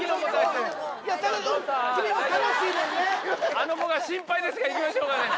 あの子が心配ですがいきましょうかね。